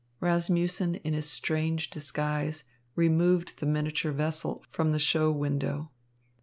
Rasmussen in his strange disguise removed the miniature vessel from the show window.